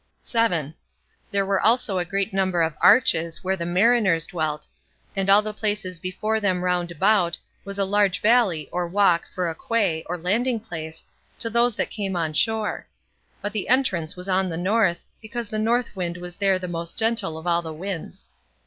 7. There were also a great number of arches, where the mariners dwelt; and all the places before them round about was a large valley, or walk, for a quay [or landing place] to those that came on shore; but the entrance was on the north, because the north wind was there the most gentle of all the winds.